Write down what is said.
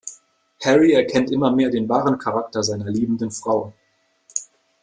Harry erkennt immer mehr den wahren Charakter seiner liebenden Frau.